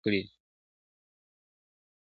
ماته لېونتوب د ښار کوڅي کوڅې اور کړي دي ,